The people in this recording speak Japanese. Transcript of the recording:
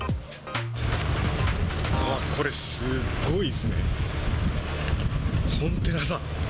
これ、すごいですね。